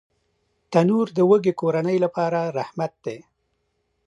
تنور د وږې کورنۍ لپاره رحمت دی